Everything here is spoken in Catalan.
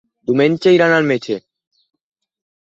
Diumenge iran al metge.